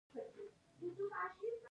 دوی په دې توګه خپل سخاوت ښوده.